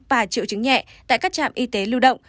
và triệu chứng nhẹ tại các trạm y tế lưu động